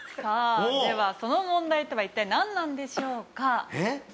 さあではその問題とは一体なんなんでしょうか？